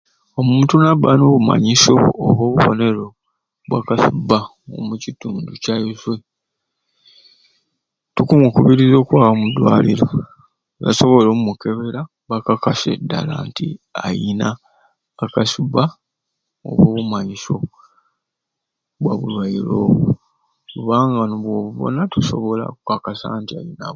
Omuntu naba n'obumanyisyo oba obubonero bwa kasuba omukitundu kyaiswe tukumukubiriza okwaba omu dwaliro basobole oku mukebera bakakase ddala nti ayina akasuba oba obumanyisyo bwa bulwaire obo kubanga nobwobubona tosobola kukakasa nti ayinabo